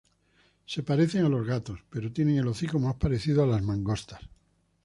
Se parecen a los gatos, pero tienen el hocico más parecido a las mangostas.